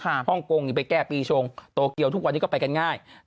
ฮ่องกงนี่ไปแก้ปีชงโตเกียวทุกวันนี้ก็ไปกันง่าย